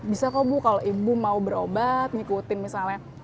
bisa kok bu kalau ibu mau berobat ngikutin misalnya